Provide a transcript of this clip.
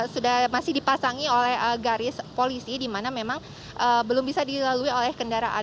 sudah masih dipasangi oleh garis polisi di mana memang belum bisa dilalui oleh kendaraan